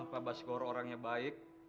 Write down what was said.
bapak skoro orangnya baik